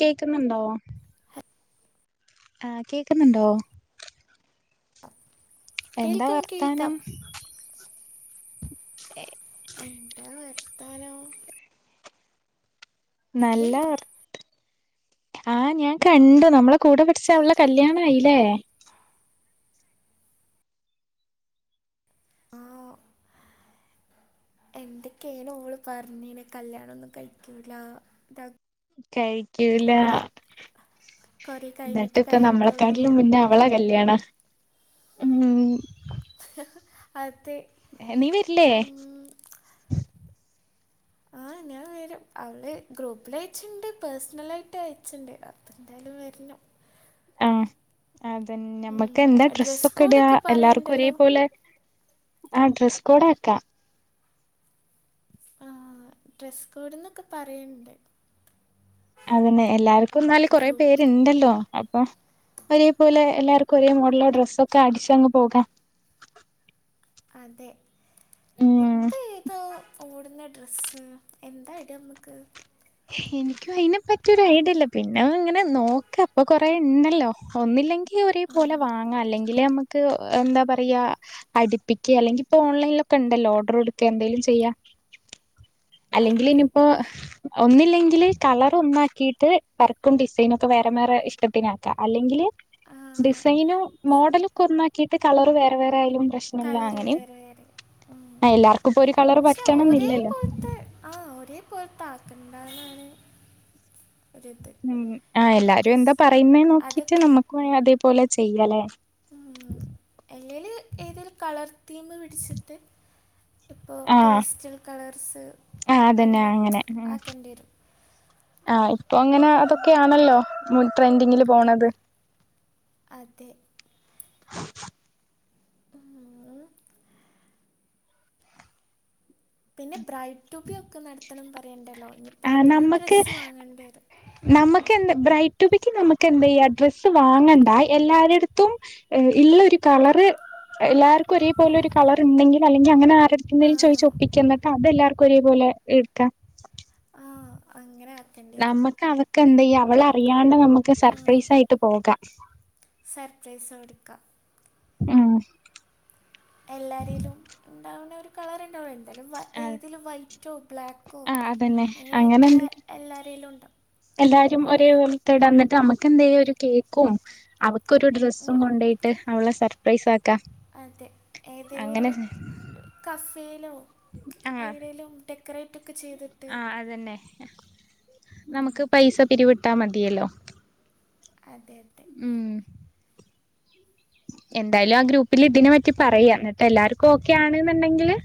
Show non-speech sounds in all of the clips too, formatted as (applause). കേക്കുന്നുണ്ടോ ആ കേക്കുന്നുണ്ടോ ഹലോ എന്താ കേൾക്കാം കേൾക്കാം വർത്താനം എന്താ വർത്താനം നീ നല്ല വർ ആഹ് ഞാൻ കണ്ടു നമ്മളെ കൂടെ പഠിച്ച അവള് കല്യാണായില്ലേ ആഹ് എന്തൊക്കാണ് ഓള് പർഞ്ഞീണ് കല്യാണൊന്നും കഴിക്കൂല ഇതാ കഴിക്ക്യൂല കുറേ കഴിഞ്ഞിട്ട് എന്നിട്ട്പ്പം കഴിക്കുള്ളൂ നമ്മളെക്കാട്ടിലും മുന്നേ ഓള കല്യാണ ഉം അതെ നീ വെരില്ലേ ആഹ് ഞാൻ വരും അവള് ഗ്രൂപ്പിലയച്ചിണ്ട് പേഴ്സണലായിട്ട് അയച്ചിണ്ട് എന്തായാലും വെര്നം ആഹ് അതന്നെ ഞമ്മക്ക് എന്താ ഡ്രസ് ഡ്രസ്സൊക്കെ ഇടാ കോഡൊക്കെ എല്ലാർക്കും പറയണ്ടല്ലോ ഒരേപോലെ ആഹ് ഡ്രസ് കോഡാക്ക ആഹ് ഡ്രസ്സ് കോഡ്ന്നൊക്കെ പറയിണ്ട് അതന്നെ എല്ലാർക്കുംന്നാല് കൊറെ ഗ്രൂപ്പിൽ പേര്ണ്ടല്ലോ അപ്പൊ ഒരേപോലെ എല്ലാർക്കും ഒരേ മോഡലോ ഡ്രസ്സൊക്കെ അടിച്ചങ്ങ് പോകാം അതെ ഉം ഇപ്പേതോ ഓടുന്ന ഡ്രസ്സ് എന്തായിടമ്മക്ക് ഇൻക്ക്യും അയ്നെപറ്റി ഒരു ഐഡ്യല്ല പിന്നെ ഇങ്ങനെ നോക്ക ഇപ്പൊ കൊറെണ്ടല്ലോ ഒന്നില്ലെങ്കി ഒരേ പോലെ ഉം, വാങ്ങാ അല്ലെങ്കില് മ്മക്ക് എന്താ പർയാ അടിപ്പിക്ക്യാ അല്ലെങ്കിപ്പൊ ഓൺലൈലൊക്കെണ്ടല്ലോ ഓർഡ്രാടുക്കെ എന്തേലും ചെയ്യാ അതെ അല്ലെങ്കില്നിയിപ്പോ ഒന്നില്ലെങ്കില് കളർ ഒന്നാക്കിട്ട് വർക്കും ഡിസൈനൊക്കെ വേറെ വേറെ ഇഷ്ടത്തിനാക്കാം അല്ലെങ്കില് ഡിസൈനും മോഡലൊക്കെ ഒന്നാക്കിയിട്ട് കളറ് വേറെ വേറെ ആയാലും പ്രശ് കളർ വേറെ വേറെ ഉം ആ എല്ലാർക്കും ഇപ്പൊ ഒരു കളർ പക്ഷെ ഒരേ പറ്റണംന്നില്ലല്ലോ പോൽ അത് ആഹ് ഒരേപോൽത്താക്കണ്ടന്നാണ് ഉം അഹ് എല്ലാരും എന്താ പറയുന്നെ നോക്കീറ്റ് അതൊക്കെ നമ്മുക്കും അതേപോലെ ചെയ്യലെ ഉം എല്ലേല് ഏതൊരു കളർ തീമ് പിടിച്ചിട്ട് ഇപ്പോ ആഹ് പേസ്റ്റൽ കളർസ് ആ അതന്നെ അങ്ങനെ ആക്കേണ്ട്യെരും ആഹ് ഇപ്പൊങ്ങനെ അതൊക്കെയാണല്ലോ ട്രെൻഡിങ്ങില് പോണത് അതെ ഊം ഉം പിന്നെ ബ്രൈഡ് ട്ടുബി ഒക്കെ നടത്തണം പറയ്ണ്ടല്ലോ ഇഞ്ഞി ആഹ് നമ്മക്ക് ങ്ങണ്ടെരും (inaudible) നമക്ക് എന്താ ബ്രൈഡ്ടുബിക്ക് നമക്ക് എന്തെയ്യ ഡ്രസ്സ് വാങ്ങണ്ട എല്ലാരെടത്തും ഇള്ളരു കളർ എല്ലാര്ക്കും ഒരേപോലെ ഒരു കളർണ്ടെങ്കിൽ അല്ലെങ്കിലങ്ങനെ ആ ആരെട്ത്ത്ന്നേലും ചോയ്ച്ച് ഒപ്പിക്ക ന്നട്ട് അതെല്ലാർക്കും ഒരേപോലെ എടുക്കാം ആഹ് അങ്ങനെ ആക്കേണ്ടി വരും നമ്മക്ക് അവക്കെന്തെയ്യ ലൈക്ക് അവളറിയാണ്ട് നമുക്ക് സർപ്രൈസ് ആയിട്ട് പോകാം സർപ്രൈസ് കൊടുക്ക ഉം എല്ലാരേലും ഇണ്ടാവ്ണൊരു കളർ ണ്ടോടണ്ട് ഏന്തെലും ആ ഏതേലും വൈറ്റോ ബ്ലാക്കോ ആ അതന്നെ അങ്ങനെ അങ്ങനെയൊക്കെ എന്ത് എല്ലാരേലുംണ്ടാവും എല്ലാരും ഒരേപോലത്തെട ന്നിട്ട് നമുക്കെന്തെയ്യ ഒരു കേക്കും അവ ക്കൊരു ഡ്രസ്സും കൊണ്ടൊയിട്ട് അവളെ സർപ്രൈസ് ആക്കാ അതെ ഏതെലൊരു കഫേലോ ആഹ് എവ്ടെലും ടെക് ക്രേറ്റൊക്കെ ചെയ്തിട്ട് ആഹ് അതന്നെ നമുക്ക് പൈസ പിരിവിട്ടാ മതിയല്ലോ അതെ അതെ ഉം എന്തായാലും ആ ഗ്രൂപ്പിൽ ഇതിനെ പറ്റി പറയാ എന്നിട്ട് എല്ലാർക്കും ഓക്കെ ആണ്ന്നുണ്ടെങ്കില്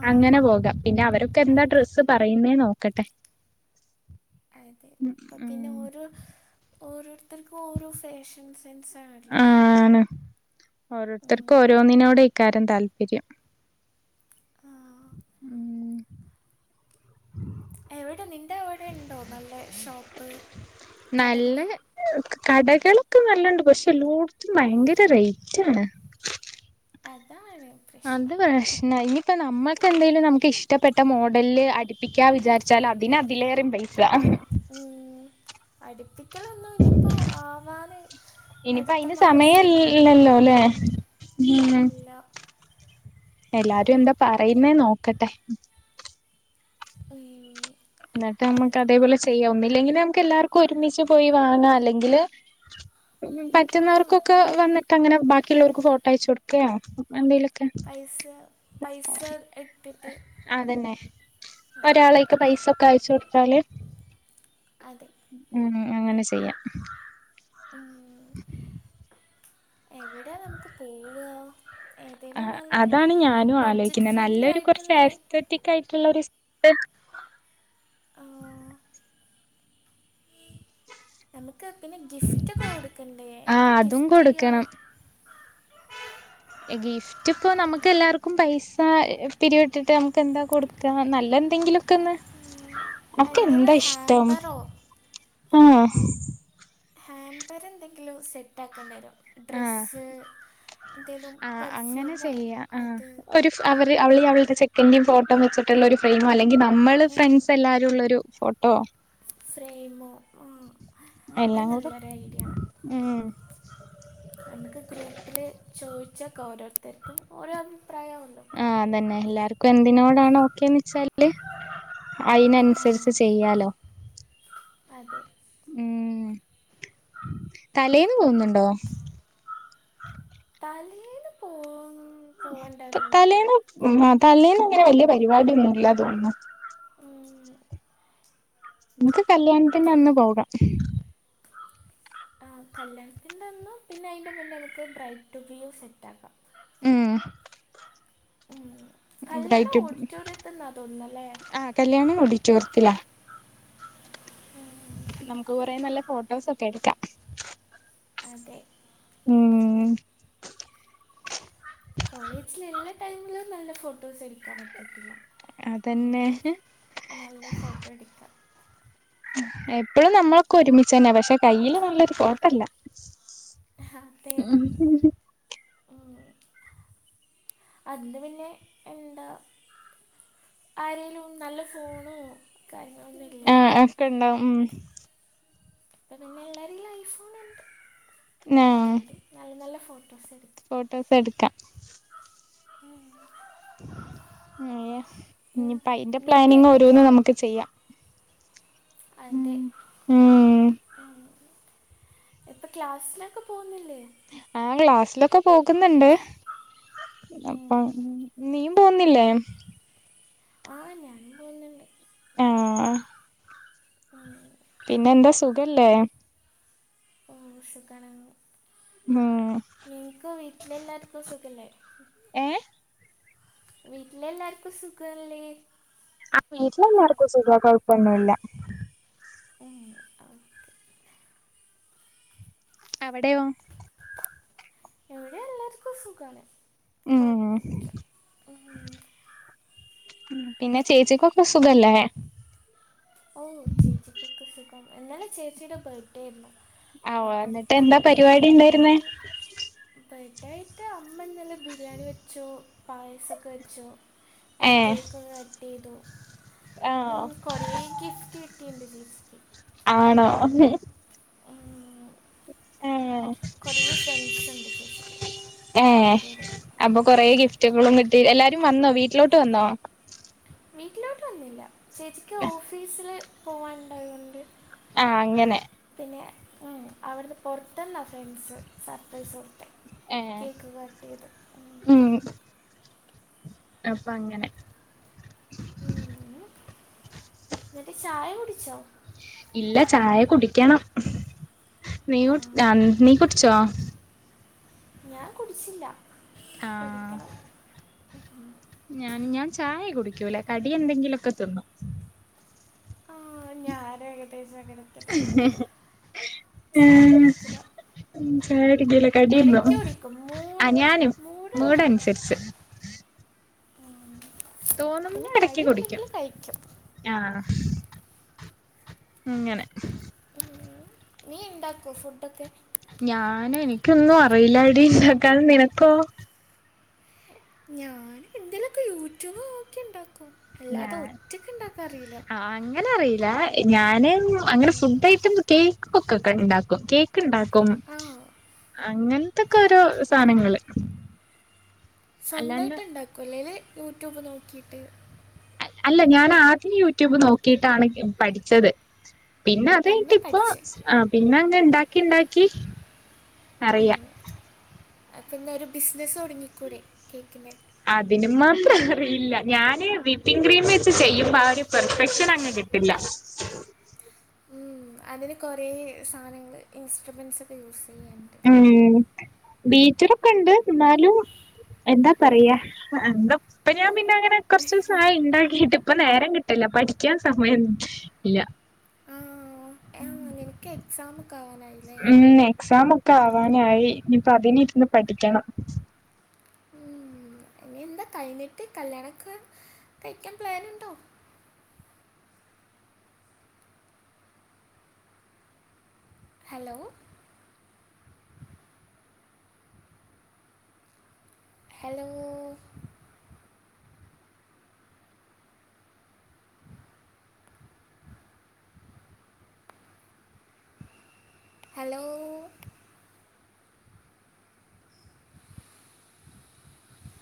ആ അങ്ങനെ പോകാം പിന്നെ അവരൊക്കെ എന്താ അതെ ഡ്രസ്സ് പറയുന്നേ നോക്കട്ടെ അതെ ഉം ഇപ്പൊപ്പിന്നെ ഉം ഒര് ഓ ഓരോര്ത്തർക്കും ഓരോ ഫാഷൻ സെൻസാണല്ലോ, ഓരോര്ത്തർക്കും ഓരോന്നിനോടെക്കാരം താല്പര്യം. ആ. ഉം എവടെ നിന്റെ അവടെ ഇണ്ടോ നല്ല ഷോപ്പ്? കടകൾ നല്ല കടകളൊക്കെ നല്ലോണ്ട് പക്ഷെ ല്ലോട്ത്തും ഭയങ്കര റേയ്റ്റ് ആണ്. അതാണ് അത് പ്രശ്നം പ്രശ്നാ ഇനിപ്പ നമ്മക്ക് എന്തെലും നമുക്ക് ഇഷ്ടപ്പെട്ട മോഡൽല്ല് അടി പ്പിക്കാ വിചാരിച്ചാല് അതിന് അതിലേറെം പൈസ അത് ഉം അട്പ്പി ഉ (unintelligible) ഇപ്പൊ ആവാന് അടുത്ത അയിന് മാസം സമയല്ലല്ലോ ല്ലേ ഉം ഉം ഇല്ലാ എല്ലാരും എന്താ പറയ്ന്നേ നോക്കട്ടെ ഉം ഇന്നട്ട് നമ്മക്ക് അതെ അതേ പോലെ ചെയ്യ ഒന്നില്ലെങ്കില് നമ്മക്ക് എല്ലാർക്കും ഒരുമിച്ച് പോയി വാങ്ങാ അല്ലെങ്കില് ആ പറ്റുന്നവർക്കൊക്കെ വന്ന്ട്ട അങ്ങനെ ബാക്കിയുള്ളോർക്ക് ഫോട്ടോ അയച്ച് കൊട്ക്കെ എന്തേലൊക്കെ പൈസ പൈസ ഇട്ട്ട്ട് അതന്നെ ഒരാളേക്ക് പൈസ ഒക്കെ അയച്ച് കൊടുത്താല് അതെ ഉം അങ്ങനെ ചെയ്യാം ആഹ് എവടെയാ നമുക്ക് പോവാ? ആഹ് അതാണ് ഞാനും ബഡ്ജറ്റ് ആലോയ്ക്ക്‌ന്നെ. ഫ്രണ്ട്ലി നല്ലൊരു കൊറച്ച് ആയിട്ടുള്ള അസ്തെറ്റിക് ആയിട്ട്ള്ളൊര് ആഹ് നമുക്ക് പിന്നെ ഗിഫ്റ്റൊക്കെ കൊടുക്കണ്ടേ എന്താ ഗിഫ്ട്ടീയ്യാ? ഏഹ് ഗിഫ്റ്റ് ഗിഫ്റ്റ്പ്പൊ നമക്ക് എല്ലാവർക്കും പൈസ പിരിവിട്ട്ട്ട് നമുക്ക് എന്താ കൊട്ക്കാ നല്ല എന്തെങ്കിലും ക്ക്‌ന്ന് ഓക്ക് എന്തെങ്കിലും എന്താ ഇഷ്ടം ഹാമ്പറോ ആഹ് ഹാമ്പർ എന്തെങ്കിലും സെറ്റ് ആക്കണ്ടെരും ഡ്രസ്സ്, എന്തെങ്കിലും ആഹ് അങ്ങനെ പെർഫ്യൂമോ ചെയ്യ ആഹ് അത് ഒര് അവര് ഇതൊക്കെ അവളീ അവൾടെ ചെ ക്കന്റീം ഫോട്ട വെച്ച്ട്ട്ള്ള ഒരു ഫ്രെയ്മോ അല്ലെങ്കി നമ്മള് ഫ്രണ്ട്സ് എല്ലാരും ഇള്ളൊരു ഫോട്ടോ ഫ്രെയ്മോ ആഹ് അത് എല്ലാം കൂടെ നല്ലൊരു ഐഡിയ ഉം നമക്ക് ഗ്രൂപ്പില് ചോയ്ച്ചോക്കാ ഓരോര്ത്തര്ക്കും ഓരോ അഭിപ്രായാവ്വല്ലോ. ആഹ് അതന്നെ എല്ലാർക്കും എന്തിനോടാണോ ഓക്കേന്ന് വെച്ചാല്. അയ്ൻ അസരിച്ച് ആ ചെയ്യാലോ അതെ ഉം തലേന്ന് പോവ്ന്ന്ണ്ടോ? തലേന്ന് പോ തലേന്ന് തലേന്ന് അങ്ങനെ വല്ല്യ പരിപാടിയൊന്നുല്ല തോന്ന്ന്നു. ഉം നമക്ക് കല്യാണത്തിന്റെ അന്ന് കൂടാം ആഹ് കല്യാണത്തിന്റ അന്നും പിന്നെ അയ്ൻ്റെ മുന്നേ നമക്ക് ബ്രയ്ഡ് ടുബിയും സെറ്റാക്കാം. ഉം ഉം, കല്യാണം ബ്രൈറ്റ് ടു ഓഡിറ്റോറിയത്ത്ന്നാ തോന്ന്ന്നല്ലേ? ആ കല്യാണം ഓഡിറ്റോറിയത്തിലാ ഉം നമുക്ക് കൊറെ നല്ല ഫോട്ടോസൊക്കെ എട്ക്കാം. അതെ ഉം കോളേജില് ഇള്ള ടൈമിലും നല്ല ഫോട്ടോസ് എട്ക്കാൻ പറ്റീട്ടില്ല. അതന്നെ ഇനിയെങ്കിലും നല്ല ഫോട്ടോ എടുക്കാം എപ്പഴും നമ്മളൊക്കെ ഒരുമിച്ച് ന്നെ പക്ഷെ കയ്യില് നല്ലൊരു ഫോട്ടല്ല ആഹ് അതെ ഉം അന്ന് പിന്നെ എന്താ ആരെലും നല്ല ഫോണോ കാര്യങ്ങളൊന്നും ഇല്ലല്ലോ ആഹ് ആഹ് അകെ ഇണ്ടാവും ഉം അപ്പ പിന്നെ എല്ലാരിലും ഐഫോണ് ഇണ്ട്, ആ അതുകൊണ്ട് നല്ല നല്ല ഫോട്ടോസ് എടുക് ഫോട്ടോസ് എടുക്കാം. മ് (unintelligible) ഇനിയിപ്പ അയിന്റെ എന്നിട്ട് പ്ലാനിങ് എന്തൊക്കെ ഓരോന്ന് നമുക്ക് ചെയ്യാം. അതിന്റെ ഉം ഉം മ് മ് മ് ഇപ്പ ക്ലാസ്സിലൊക്കെ പോകുന്നില്ലേ? ആഹ് ക്ലാസിലൊക്കെ പോകുന്നുണ്ട്, ഇപ്പം ഉം. നീയും പോകുന്നില്ലേ? ആഹ്‌, ഞാനും പോരുന്നുണ്ട്. ആഹ് ഉം. പിന്നെ എന്താ സുഖല്ലേ? ഓഹ് സുഖാണ്, ഉം നിന്ക്ക് വീട്ടിൽ എല്ലാർക്കും സുഖല്ലേ? ഏഹ് വീട്ടിലെല്ലാർക്കും സുഖല്ലേ? ആഹ് വീട്ടിലെല്ലാർക്കും സുഖ, കൊഴപ്പൊന്നുല്ല. മ് ആഹ് അവിടെയോ? ഇവിടെ എല്ലാവർക്കും സുഖാണ്. ഉം. മ് മ് പിന്നെ ചേച്ചിക്കൊക്കെ സുഖല്ലേ? ഓഹ് ചേച്ചിക്കൊക്കെ സുഖം, ഇന്നലെ ചേച്ചിടെ ബെർത്ത് ഡേ ആരുന്നു. ആഹ് ഓ എന്നിട്ട് എന്താ പരിപാടി ഇണ്ടായിരുന്നെ? ബെർത്ത് ഡേ ആയിട്ട് അമ്മ ഇന്നലെ ബിരിയാണി വെച്ചു, പായസൊക്കെ വെച്ചു. പിന്നെ ഏഹ് കേക്ക് കട്ട് ചെയ്തു, മ് ആഹ് കൊറെ ഗിഫ്റ്റ് കിട്ടീൻഡ് ചേച്ചിക്ക്. ആണോ. മ് ഏഹ് കൊറെ ഫ്രണ്ട്സ് ഇണ്ട് ചേച്ചിക്ക്‌ എല്ലാരുടെയും മ് കുട്ടികളും കിട്ടി എല്ലാരും വന്നോ? വീട്ടിലോട്ട് വന്നോ? വീട്ടിലോട്ട് വന്നില്ല, ചേച്ചിക്ക് ഓഫീസില് പോവാനുണ്ടായത് കൊണ്ട് ആഹ് അങ്ങനെ പിന്നെ മ് അവിടുന്ന് പൊറത്ത്ന്നാ ഫ്രണ്ട്സ് സർപ്രൈസ് കൊടുത്തേ. ഏഹ് കേക്ക് കട്ട് ചെയ്ത് ഉം അപ്പ അങ്ങനെ. ഉം എന്നിട്ട് ചായ കുടിച്ചോ? ഇല്ല, ചായ കുടിക്കണം, നീ കുട് ആഹ് ആ നീ കുടിച്ചോ? ഞാൻ കുടിച്ചില്ല, ആഹ് കുടിക്കണം. ഞാൻ ഞാൻ ചായ കുടിക്കൂല, കടി എന്തെങ്കിലൊക്കെ തിന്നും. ആഹ് ഞാൻ ഏകദേശം അങ്ങനെത്തന്നെ, ചായ കുടിക്കുല്ല. മ് ചായ കുടിക്കൂലെ? എടക്ക് കുടിക്കും മൂട് മൂട് ഇണ്ടാകുമ്പോക്കെ. മൂടനുസരിച്ച് പിന്നെ തോന്നുമ്പോ കടി ഇടക്ക് കുടിക്കും ഇണ്ടെങ്കില് കഴിക്കും. ആഹ് ഇങ്ങനെ നീ ഇണ്ടാക്കുവോ ഫുഡൊക്കെ? ഞാന് എനിക്കൊന്നും അറിയില്ലാടി ഇണ്ടാക്കാൻ, നിനക്കോ? ഞാൻ എന്തേലൊക്കെ യൂട്യൂബ് നോക്കി ഇണ്ടാക്കും, അല്ലാതെ ഞാൻ ഒറ്റക്ക് ഇണ്ടാക്കാ അറിയില്ല. അങ്ങനെ അറിയില്ല, ഞാന് അങ്ങനെ ഫുഡ് ഐറ്റം കേക്ക് (unintelligible) ഒക്കെ ഇണ്ടാക്കും, കേക്ക് ഇണ്ടാ ക്കും ആ അങ്ങനത്തൊക്കെ ഓരോ കേക്ക് സാനങ്ങള്. സ്വന്തായിട്ട് ഇണ്ടാക്കോ, അല്ലേല് യൂട്യൂബ് നോക്കിയിട്ട് അല്ല ഞാൻ ആദ്യം യൂട്യൂബ് നോക്കിയിട്ടാണ് പഠിച്ചത്. പിന്നെ അത് കയിഞ്ഞിട്ട് ഇപ്പോ ആ പിന്ന അങ്ങ് ഇണ്ടാക്കി ഇണ്ടാക്കി അറിയാം മ് അപ്പം എന്ന ഒരു ബിസിനസ്സ് തൊടങ്ങിക്കൂടെ കേക്കിൻ്റെ. അതിന് മാത്രലറിയില്ല ഞാന് വിപ്പിം ക്രീമ് ച്ച് ചെയ്യുമ്പാ ഒരു പെർഫെക്ഷന ങ്ങ് കിട്ടില്ല ഉം അതിന് കൊറെേ സാനങ്ങള് ഇൻസ്ട്രുമെന്റ്സക്കെ യൂസിയ്യാണ്ട് ഉം ബീറ്ററൊക്കണ്ട് ന്നാലു എന്താ പറയ്യാ എന്താ ഇപ്പഞാപിന്നെ അങ്ങനെ കൊർച്ച്സായി ണ്ടാക്കിട്ട് ഇപ്പ നേരം കിട്ടല്ല പഠിക്യാൻ സമയം ല്ല ആഹ് ഏമ് നിൻക്ക് എക്സാമൊക്കാ വാനായിലേ ഉം എക്സാമ് ക്കാവാനായി നിപ്പ അതിനിര്ന്ന് പഠിക്കെണം ഉം ഇനിയെന്താ കയ്ഞ്ഞിട്ട് കല്യാണക്കെ കയ്ക്യാൻ പ്ലാന്ണ്ടോ ഹലോ ഹലോ ഹലോ